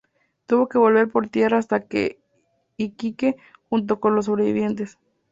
Tuvo que volver por tierra hasta Iquique junto con los sobrevivientes.